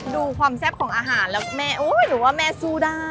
ดูความแซ่บของอาหารนะแม่น้ำอุ๊ยเป็นว่าแม่แล้วสู้อ่ะ